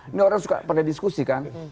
ini orang suka pada diskusi kan